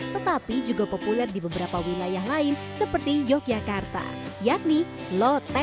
tetapi juga populer di beberapa wilayah lain seperti yogyakarta yakni loteng